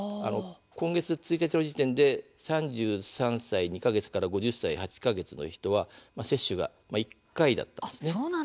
今月１日時点で３３歳２か月から５０歳８か月の人は接種は１回だったんです。